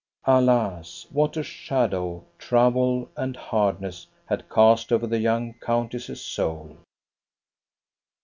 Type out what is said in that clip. Alas, what a shadow trouble and hardness had cast over the young countess's soul